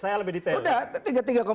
saya lebih detail